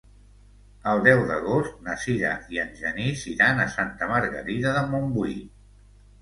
El deu d'agost na Sira i en Genís iran a Santa Margarida de Montbui.